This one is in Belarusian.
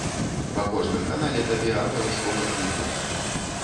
Па кожным канале табе абавязкова трындзяць!